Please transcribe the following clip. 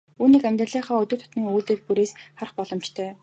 Үүнийг амьдралынхаа өдөр тутмын үйлдэл бүрээс харах боломжтой.